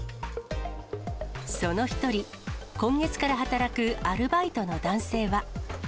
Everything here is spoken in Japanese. その１人、今月から働くアルバイトの男性は。